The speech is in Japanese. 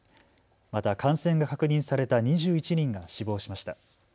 また感染が確認された２１人が死亡しました。